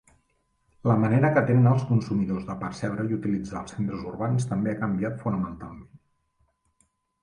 La manera que tenen els consumidors de percebre i utilitzar els centres urbans també ha canviat fonamentalment.